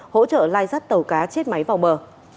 hỗ trợ lai dắt tàu cá chết máy vào bờ